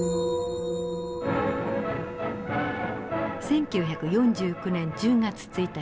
１９４９年１０月１日。